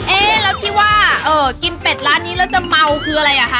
เอ๊ะแล้วที่ว่ากินเป็ดร้านนี้แล้วจะเมาคืออะไรอ่ะคะ